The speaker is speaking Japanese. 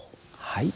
はい。